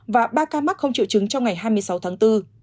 và ba ca mắc không triệu chứng trong ngày hai mươi sáu tháng bốn